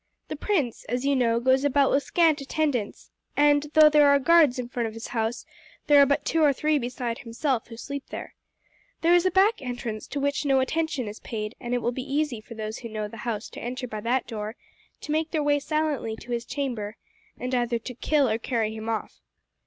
The prince, as you know, goes about with scant attendance, and though there are guards in front of his house, there are but two or three beside himself who sleep there. There is a back entrance to which no attention is paid, and it will be easy for those who know the house to enter by that door, to make their way silently to his chamber, and either to kill or carry him off.